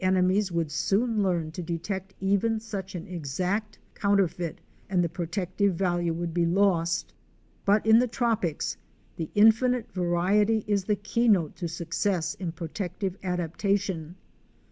213 enemies would soon learn to detect even such an exact coun terfeit, and the protective value would be lost. But in the tropics the infinite variety is the key note to success in pro tective adaptation.